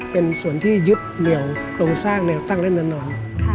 เป็นส่วนที่ยึดเหนียวโครงสร้างแนวตั้งเล่นนาน